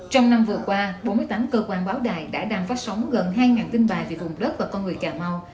trong năm vừa qua bốn mươi tám cơ quan báo đài đã đang phát sóng gần hai tin bài về vùng đất và con người cà mau